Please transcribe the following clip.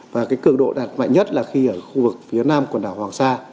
và cái cường độ đạt mạnh nhất là khi ở khu vực phía nam quần đảo hoàng sa